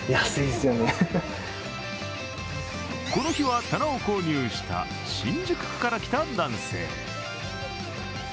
この日は棚を購入した新宿区から来た男性。